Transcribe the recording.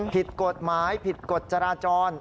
ผิดกฎหมายผิดกฎจราจร